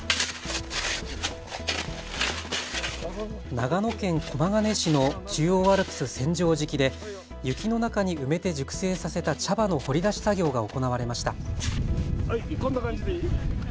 長野県駒ヶ根市の中央アルプス・千畳敷で雪の中に埋めて熟成させた茶葉の掘り出し作業が行われました。